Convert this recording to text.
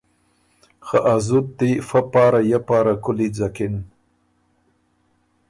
خه ا زُت دی فۀ پاره یه پاره کُولی ځکِن۔